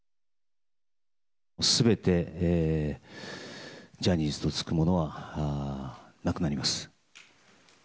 すべてジャニーズとつくものはなくなります。